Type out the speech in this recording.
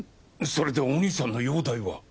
それでお兄さんの容体は？